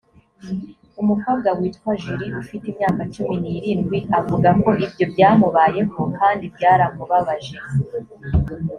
umukobwa witwa julie ufite imyaka cumi n’irindwi avuga ko ibyo byamubayeho kandi byaramubabaje.